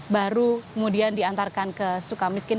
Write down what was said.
baru kemudian diantarkan ke sukamiskin